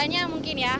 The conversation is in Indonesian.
harganya mungkin ya